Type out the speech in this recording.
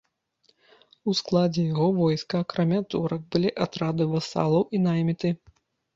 У складзе яго войска акрамя турак былі атрады васалаў і найміты.